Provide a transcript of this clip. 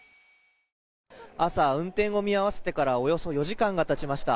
朝、運転を見合わせてからおよそ４時間が経ちました。